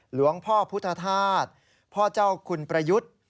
หลวงพ่อพุทธธาตุพ่อเจ้าคุณประยุทธ์